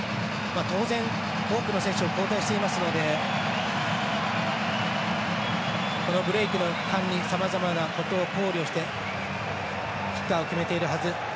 当然、多くの選手を交代していますのでこのブレークの間にさまざまなことを考慮してキッカーを決めているはず。